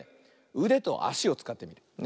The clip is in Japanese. うでとあしをつかってみる。